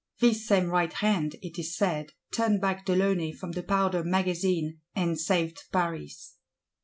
This same right hand, it is said, turned back de Launay from the Powder Magazine, and saved Paris.